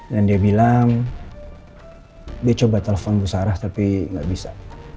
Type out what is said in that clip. dan dia bilang dia coba telepon bu sarah tapi gak bisa